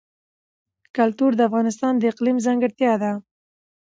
کلتور د افغانستان د اقلیم ځانګړتیا ده.